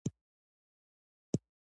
آیا او شاته پاتې نشو؟